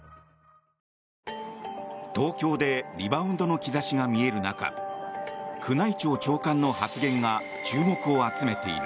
東京でリバウンドの兆しが見える中宮内庁長官の発言が注目を集めている。